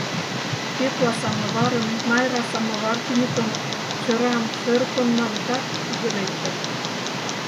Пӧкла самоварым, Майра самовар тӱньыкым, чырам, шырпым налытат, тӱгӧ лектыт.